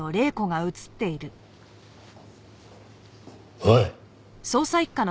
おい。